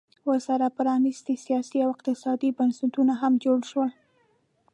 ورسره پرانیستي سیاسي او اقتصادي بنسټونه هم جوړ شول